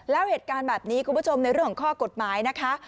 แล้วเหตุการณ์แบบนี้คุณผู้ชมในเรื่องของข้อกฎหมายนะคะ